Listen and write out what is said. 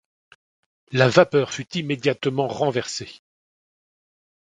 La vapeur fut immédiatement renversée